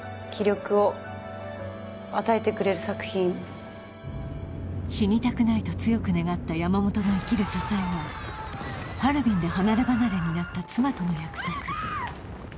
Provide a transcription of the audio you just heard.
うん死にたくないと強く願った山本の生きる支えがハルビンで離れ離れになった妻との約束